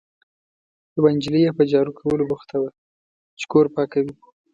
یوه نجلۍ یې په جارو کولو بوخته وه، چې کور پاکوي.